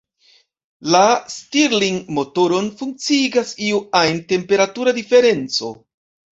La Stirling-motoron funkciigas iu ajn temperatura diferenco.